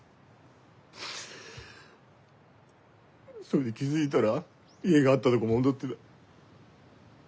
それで気付いだら家があったどご戻ってた。